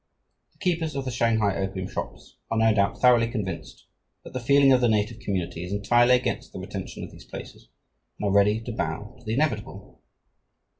The keepers of the Shanghai opium shops are no doubt thoroughly convinced that the feeling of the native community is entirely against the retention of these places and are ready to bow to the inevitable.